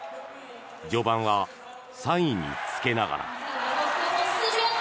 序盤は３位につけながら。